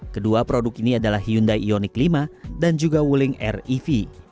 kedua produk ini adalah hyundai ioniq lima dan juga wuling r ev